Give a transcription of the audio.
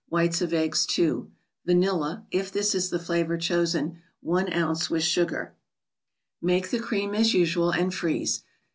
Whites of eggs, Vanilla, (if this is the flavor chosen), i oz. with sugar. Make the cream as usual, and freeze.